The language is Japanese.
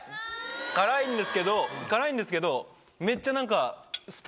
辛いんですけど辛いんですけどめっちゃ何か。